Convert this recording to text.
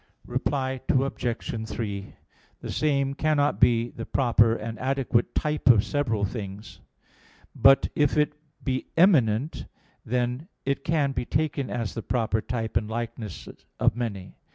Reply Obj. 3: The same cannot be the proper and adequate type of several things. But if it be eminent, then it can be taken as the proper type and likeness of many.